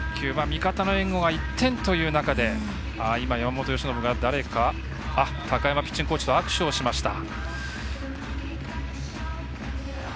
味方の援護が１点という中で今、山本由伸が高山ピッチングコーチと握手をしました。